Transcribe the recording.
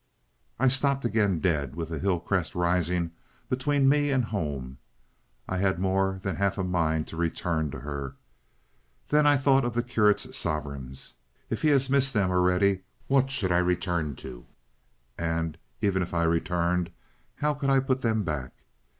I stopped again dead, with the hill crest rising between me and home. I had more than half a mind to return to her. Then I thought of the curate's sovereigns. If he has missed them already, what should I return to? And, even if I returned, how could I put them back?